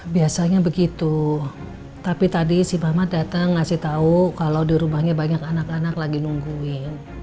biasanya begitu tapi tadi si bama datang ngasih tahu kalau di rumahnya banyak anak anak lagi nungguin